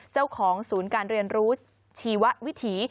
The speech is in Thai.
เจ้าของศูนย์การเรียนรู้ชีววิถี